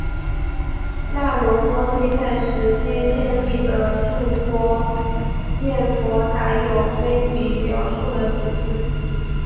那罗波帝在实皆建立的睹波焰佛塔有碑铭描述了此事。